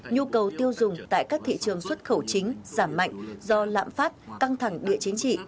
nhu cầu tiêu dùng tại các thị trường xuất khẩu chính giảm mạnh do lạm phát căng thẳng địa chính trị